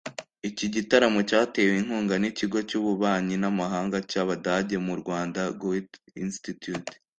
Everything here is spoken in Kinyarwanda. Iki gitaramo cyatewe inkunga n’ikigo cy’Ububanyi n’Amahanga cy’Abadage mu Rwanda Goethe-Institut